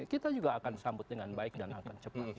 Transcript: kita juga akan sambut dengan baik dan akan cepat